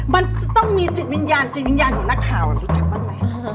มันจะต้องมีจิตวิญญาณจิตวิญญาณของนักข่าวรู้จักบ้างไหม